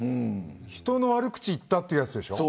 人の悪口を言ったというやつでしょ。